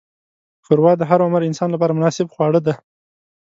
ښوروا د هر عمر انسان لپاره مناسب خواړه ده.